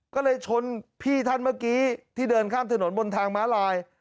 ก็เลยชนพี่ท่านเมื่อกี้ที่เดินข้ามถนนบนทางม้าลาย